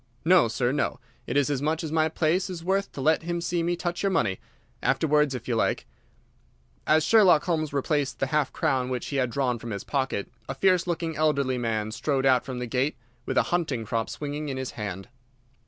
No, sir, no; it is as much as my place is worth to let him see me touch your money. Afterwards, if you like." As Sherlock Holmes replaced the half crown which he had drawn from his pocket, a fierce looking elderly man strode out from the gate with a hunting crop swinging in his hand.